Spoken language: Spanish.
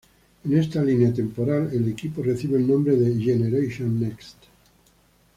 En esta línea temporal, el equipo recibe el nombre de Generation NeXt.